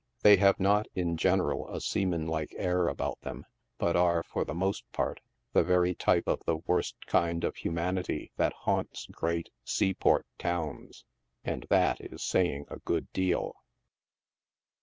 They have not. in general, a seamanlike air about thorn, but are, for the most part, the very type of the worst kind of hu manity that haunts great seaport towns, and that i3 saying a good deal.